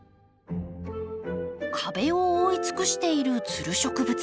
壁を覆い尽くしているツル植物。